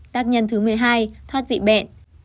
tác nhân thứ một mươi hai thoát vị bẹn